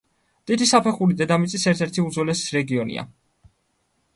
დიდი საფეხური დედამიწის ერთ-ერთი უძველესი რეგიონია.